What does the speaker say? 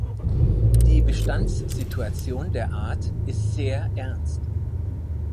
Die Bestandssituation der Art ist sehr ernst.